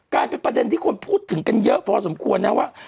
กลายเป็นประเด็นที่คนพูดถึงกันเยอะพอสมควรนะว่า